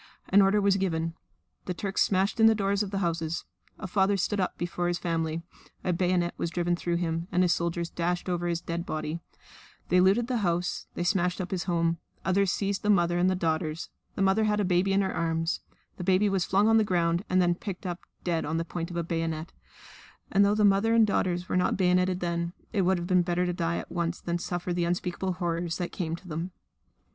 An order was given. The Turks smashed in the doors of the houses. A father stood up before his family; a bayonet was driven through him and soldiers dashed over his dead body; they looted the house; they smashed up his home; others seized the mother and the daughters the mother had a baby in her arms; the baby was flung on the ground and then picked up dead on the point of a bayonet; and, though the mother and daughters were not bayoneted then, it would have been better to die at once than to suffer the unspeakable horrors that came to them.